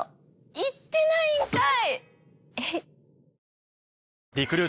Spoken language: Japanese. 行ってないんかい！